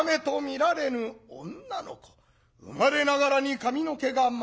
生まれながらに髪の毛が真っ白。